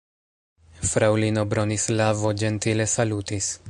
Fraŭlino Bronislavo ĝentile salutis.